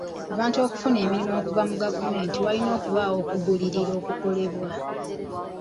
Abantu okufuna emirimu okuva mu gavumenti walina okubaawo okugulirira okukolebwa.